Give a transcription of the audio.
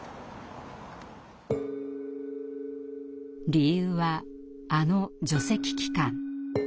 理由はあの「除斥期間」。